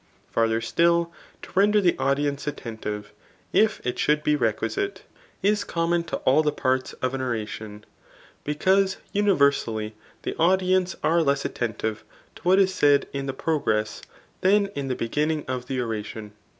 Farther still, to render the audience attentive, if it should be requisite, is common to all the pZTts of an oration ; because universally the audience are less attentive to what is said in the progress, than in the beginning of the oration.